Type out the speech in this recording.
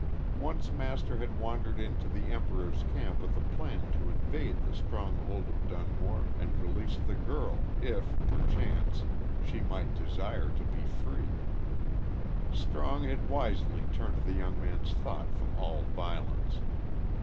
Once Master had wandered into the Emperor's camp with a plan to invade the stronghold of Dunmore and release the girl if, perchance, she might desire to be free. Strong had wisely turned the young man's thought from all violence.